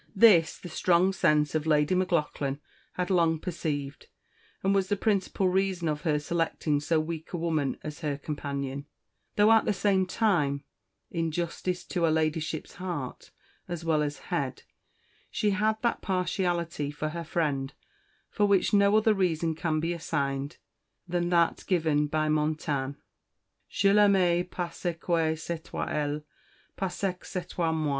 This the strong sense of Lady Maclaughlan had long perceived, and was the principal reason of her selecting so weak a woman as her companion; though, at the same time, in justice to her Ladyship's heart as well as head, she had that partiality for her friend for which no other reason can be assigned than that given by Montaigne: "Je l'amais parceque c'étoit elle, parceque c'étoit moi."